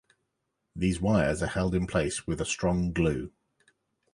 These wires are held in place with a strong glue.